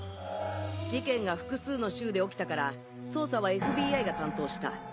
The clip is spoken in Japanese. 事件が複数の州で起きたから捜査はＦＢＩが担当した。